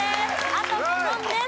あと５問です。